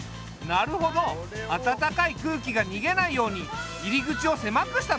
なるほど温かい空気が逃げないように入り口を狭くしたのね。